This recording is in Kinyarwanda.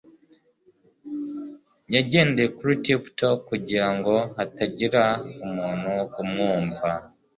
Yagendeye kuri tiptoe kugirango hatagira umuntu umwumva